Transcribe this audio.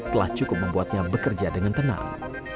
telah cukup membuatnya bekerja dengan tenang